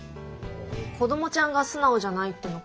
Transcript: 子どもちゃんが素直じゃないっていうのか？